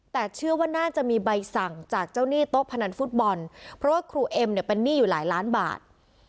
แต่เชื่อว่าน่าจะมีใบสั่งจากเจ้าหนี้โต๊ะพนันฟุตบอลเพราะว่าครูเอ็มเนี่ยเป็นหนี้อยู่หลายล้านบาท